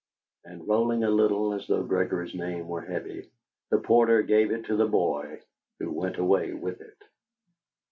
And rolling a little, as though Gregory's name were heavy, the porter gave it to the boy, who went away with it.